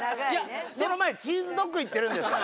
その前にチーズドッグいってるんですから。